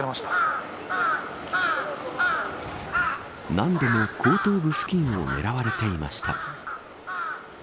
何度も後頭部付近を狙われていました。